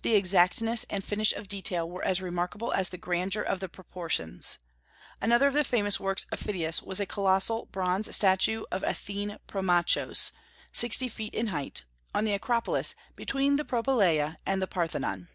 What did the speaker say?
The exactness and finish of detail were as remarkable as the grandeur of the proportions. Another of the famous works of Phidias was a colossal bronze statue of Athene Promachos, sixty feet in height, on the Acropolis between the Propylaea and the Parthenon.